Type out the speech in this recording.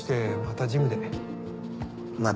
またジムで。